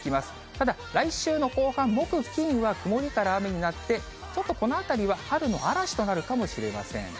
ただ来週の後半、木、金は曇りから雨になって、ちょっとこのあたりは春の嵐となるかもしれません。